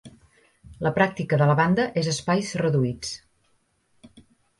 La pràctica de la banda és espais reduïts.